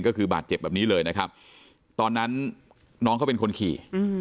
ก็คือบาดเจ็บแบบนี้เลยนะครับตอนนั้นน้องเขาเป็นคนขี่